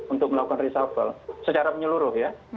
untuk melakukan reshuffle secara menyeluruh ya